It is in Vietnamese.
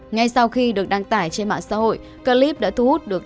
ngay sau khi được đăng tải trên mạng xã hội clip đã thu hút được